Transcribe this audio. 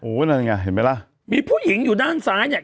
นั่นไงเห็นไหมล่ะมีผู้หญิงอยู่ด้านซ้ายเนี่ย